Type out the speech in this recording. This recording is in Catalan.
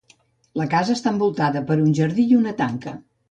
La casa està envoltada per un jardí i una tanca.